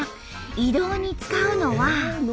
移動に使うのは。